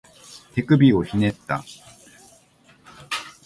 手首をひねった